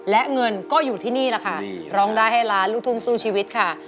และเงินก็อยู่ที่นี่แหละค่ะร้องได้ให้ล้านลูกทุ่งสู้ชีวิตค่ะ